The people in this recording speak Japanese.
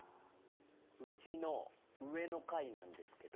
うちの上の階なんですけど。